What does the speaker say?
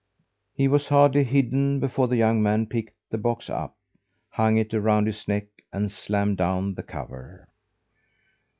He was hardly hidden before the young man picked the box up, hung it around his neck, and slammed down the cover.